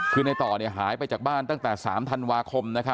คือในต่อหายไปจากบ้านตั้งแต่๓ธันวาคม